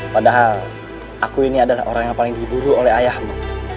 padahal aku ini adalah orang yang paling diburu oleh ayahmu